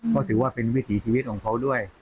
ก็ถือว่าเป็นวิถีชีวิตของเขาด้วย